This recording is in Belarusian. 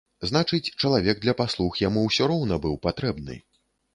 Значыць, чалавек для паслуг яму ўсё роўна быў патрэбны.